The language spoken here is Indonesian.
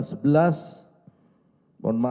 maaf sekitar tanggal sebelas